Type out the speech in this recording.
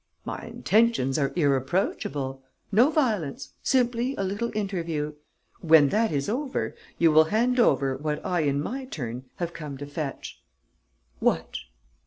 "My intentions are irreproachable. No violence. Simply a little interview. When that is over, you will hand over what I in my turn have come to fetch." "What?"